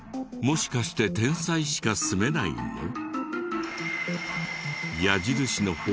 もしかして天才しか住めないの？